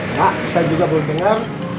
enggak saya juga belum dengar